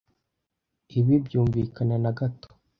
Ibi byumvikana na gato.